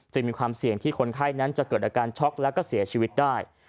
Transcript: มีความเสี่ยงที่คนไข้นั้นจะเกิดอาการช็อกแล้วก็เสียชีวิตได้